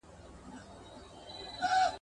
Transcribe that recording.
¬ جامه په يوه گوته اوږده په يوه لنډه.